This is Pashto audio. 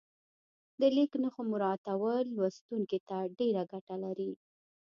د لیک نښو مراعاتول لوستونکي ته ډېره ګټه لري.